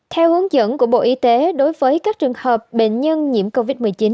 theo hướng dẫn của bộ y tế đối với các trường hợp bệnh nhân nhiễm covid một mươi chín